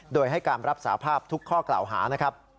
โดยให้การรับสาภาพทุกข้อกล่าวหานะครับ